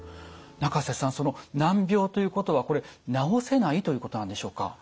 仲瀬さんその難病ということはこれ治せないということなんでしょうか？